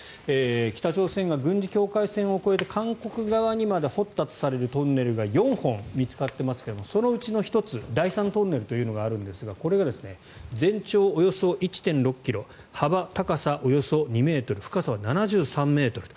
北朝鮮が軍事境界線を越えて韓国側にまで掘ったとされるトンネルが４本見つかっていますがそのうちの１つ第３トンネルというのがありますがこれが全長およそ１．６ｋｍ幅、高さおよそ２ｍ深さは７３ｍ。